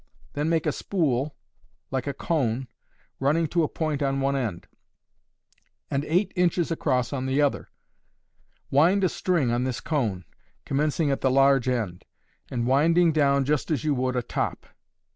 Then make a spool like a cone running to a point on one end and eight inches across on the other. Wind a string on this cone, commencing at the large end, and winding down just as you would a top.